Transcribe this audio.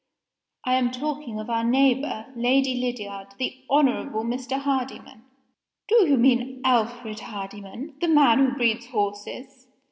"I am talking of our neighbor, Lady Lydiard the Honorable Mr. Hardyman." "Do you mean Alfred Hardyman the man who breeds the horses?"